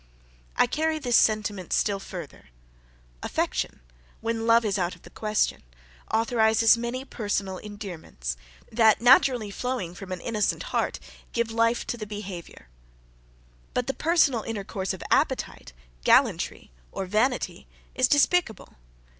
I carry this sentiment still further. Affection, when love is out of the question, authorises many personal endearments, that naturally flowing from an innocent heart give life to the behaviour; but the personal intercourse of appetite, gallantry, or vanity, is despicable.